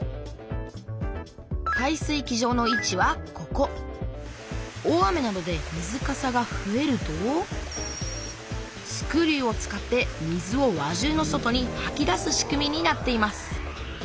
排水機場の位置はここ大雨などで水かさがふえるとスクリューを使って水を輪中の外にはき出す仕組みになっています